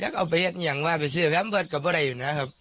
จากเอาไปเห็นอย่างว่าไปซื้อแฟนพันธุ์กับพ่อได้อยู่นะครับ